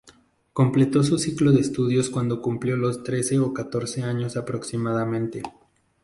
Completó su ciclo de estudios cuando cumplió los trece o catorce años aproximadamente.